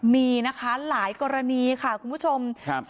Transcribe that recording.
มีนะคะหลายกรณีค่ะคุณผู้ชม